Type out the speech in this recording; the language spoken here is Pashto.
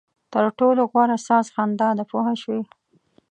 تر ټولو غوره ساز خندا ده پوه شوې!.